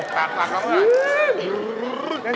ตักแล้วเพื่อน